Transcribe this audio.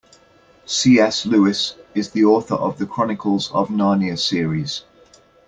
C.S. Lewis is the author of The Chronicles of Narnia series.